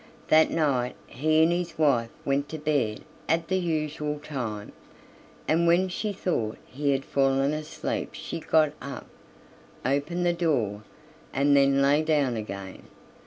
That night he and his wife went to bed at the usual time; and when she thought he had fallen asleep she got up, opened the door, and then lay down again.